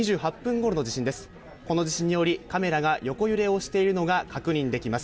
この地震によりカメラが横揺れしているのが確認できます。